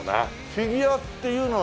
フィギュアっていうのは。